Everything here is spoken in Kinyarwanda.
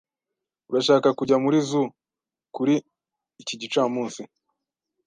Urashaka kujya muri zoo kuri iki gicamunsi?